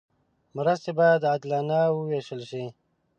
مرستې باید عادلانه وویشل شي.